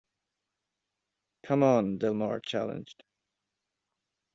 Come on, Del Mar challenged.